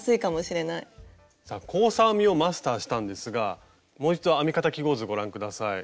さあ交差編みをマスターしたんですがもう一度編み方記号図ご覧下さい。